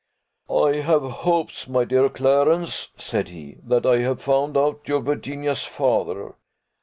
"I have hopes, my dear Clarence," said he, "that I have found out your Virginia's father.